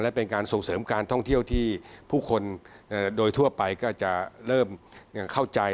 และเป็นการส่งเสริมการท่องเที่ยวที่ผู้คนโดยทั่วไปก็จะเริ่มเข้าใจ